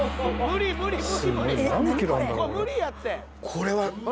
これは？